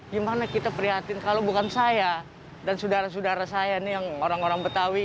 gimana kita prihatin kalau bukan saya dan saudara saudara saya nih yang orang orang betawi